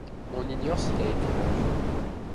On ignore s'il a été vendu.